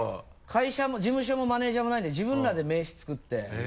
事務所もマネジャーもないんで自分らで名刺作って。